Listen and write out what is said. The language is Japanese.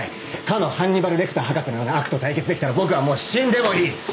かのハンニバル・レクター博士のような悪と対決できたら僕はもう死んでもいい！